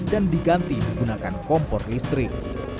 dan diganti menggunakan kompor listrik